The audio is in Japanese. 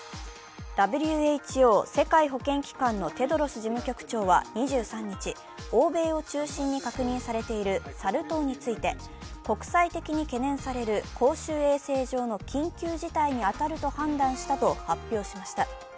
ＷＨＯ＝世界保健機関のテドロス事務局長は２３日、欧米を中心に確認されているサル痘について国際的に懸念される公衆衛生上の緊急事態に当たると判断したと発表しました。